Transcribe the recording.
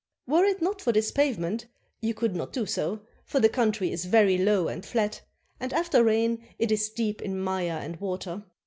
Were it not for this pavement, you could not do so, for the country is very low and flat, and after rain it is deep in mire and water.